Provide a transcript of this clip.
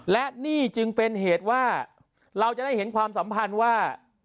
และนี่จึงเป็นเหตุว่าเราจะได้เห็นความสัมพันธ์ว่า